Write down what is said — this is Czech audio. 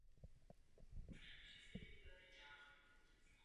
S dalším postupem ve hře roste obtížnost.